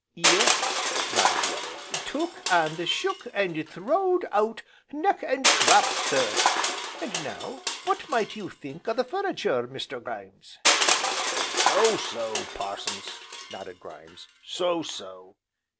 "Yes," nodded the other, "took, and shook, and throwed out neck, and crop, sir! And now, what might you think o' the furniture, Mr. Grimes?" "So so, Parsons," nodded Grimes, "so so!"